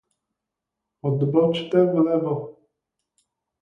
Odbočte vlevo.